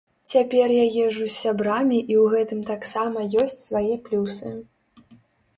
Цяпер я езджу з сябрамі і ў гэтым таксама ёсць свае плюсы.